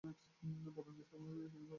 পতঙ্গের স্বভাবই এইভাবে অগ্নিকে ভালবাসা।